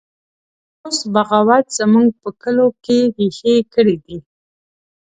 اوس بغاوت زموږ په کلو کې ریښې کړي دی